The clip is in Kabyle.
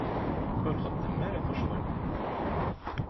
Ur txeddmem ara tuccḍiwin.